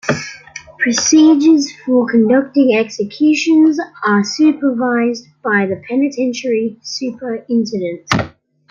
Procedures for conducting executions are supervised by the Penitentiary Superintendent.